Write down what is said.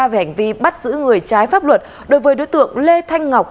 về hành vi bắt giữ người trái pháp luật đối với đối tượng lê thanh ngọc